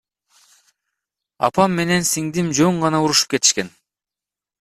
Апам менен сиңдим жөн гана урушуп кетишкен.